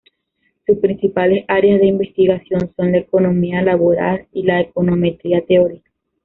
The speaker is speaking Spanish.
Sus principales áreas de investigación son la economía laboral y econometría teórica.